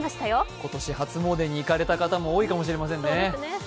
今年、初詣に行かれた方も多いかもしれませんね。